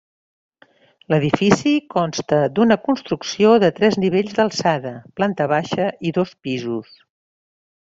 L'edifici consta d'una construcció de tres nivells d'alçada, planta baixa i dos pisos.